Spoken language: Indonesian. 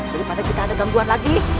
daripada kita ada gangguan lagi